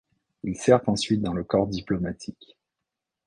Il sert ensuite dans le corps diplomatique.